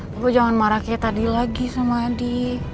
pokoknya jangan marah kayak tadi lagi sama adi